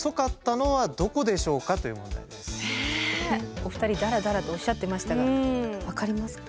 お二人「だらだら」とおっしゃってましたが分かりますか？